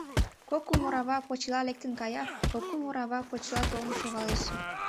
Кок-кум орва почела лектын кая, кок-кум орва почела толын шогалеш.